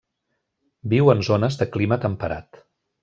Viu en zones de clima temperat.